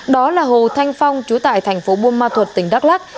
đó là hồ thanh phong chú tại thành phố buôn ma thuật tỉnh đắk lắc